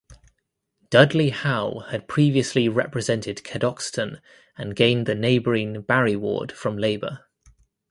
Dudley Howe had previously represented Cadoxton and gained the neighbouring Barry ward from Labour.